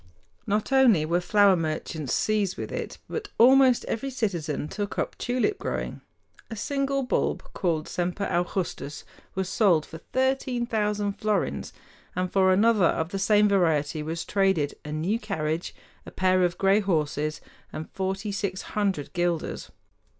Not only were flower merchants seized with it, but almost every citizen took up tulip growing. A single bulb called the "Semper Augustus" was sold for thirteen thousand florins, and for another of the same variety was traded "a new carriage, a pair of gray horses, and forty six hundred guilders."